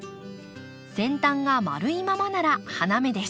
先端が丸いままなら花芽です。